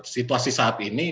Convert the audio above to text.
situasi saat ini